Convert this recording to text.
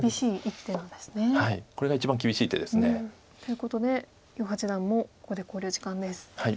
これが一番厳しい手です。ということで余八段もここで考慮時間です。